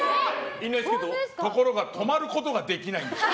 ところが止まることができないんですよ。